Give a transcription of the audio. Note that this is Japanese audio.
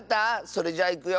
それじゃいくよ。